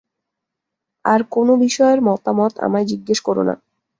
আর কোন বিষয়ের মতামত আমায় জিজ্ঞেস কর না।